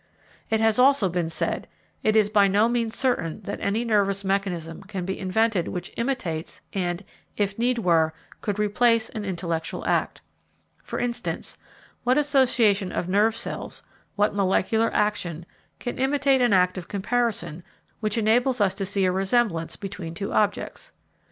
It has also been said: it is by no means certain that any nervous mechanism can be invented which imitates and, if need were, could replace an intellectual act. For instance, what association of nerve cells, what molecular action, can imitate an act of comparison which enables us to see a resemblance between two objects?